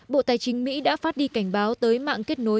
bộ tài chính mỹ đã phát đi cảnh báo tới mạng kết nối